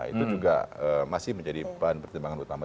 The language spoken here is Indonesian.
itu juga masih menjadi bahan pertimbangan utama